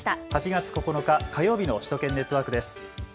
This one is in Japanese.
８月９日火曜日の首都圏ネットワークです。